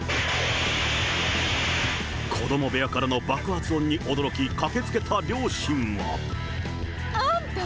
子ども部屋からの爆発音に驚き、駆けつけた両親は。あんた！